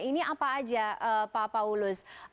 ini apa aja pak paulus